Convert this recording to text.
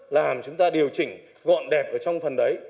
làm chúng ta điều chỉnh gọn đẹp ở trong phần đấy